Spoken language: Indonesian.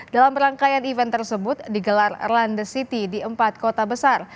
dalam rangkaian event tersebut digelar runde city di empat kota besar